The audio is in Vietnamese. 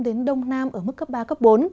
đến đông nam ở mức cấp ba bốn